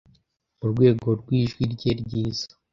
mu rwego rw'ijwi rye ryiza